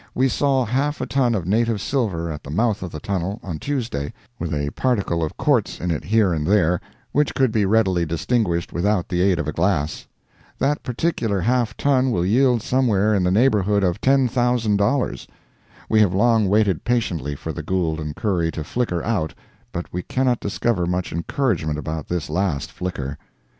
We saw half a ton of native silver at the mouth of the tunnel, on Tuesday, with a particle of quartz in it here and there, which could be readily distinguished without the aid of a glass. That particular half ton will yield some where in the neighborhood of ten thousand dollars. We have long waited patiently for the Gould & Curry to flicker out, but we cannot discover much encouragement about this last flicker.